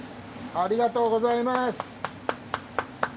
ありがとうございます。